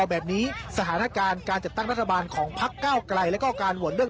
แบบนี้สถานการณ์การจัดตั้งรัฐบาลของพักเก้าไกลแล้วก็การโหวตเรื่อง